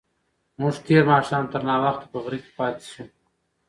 موږ تېر ماښام تر ناوخته په غره کې پاتې شوو.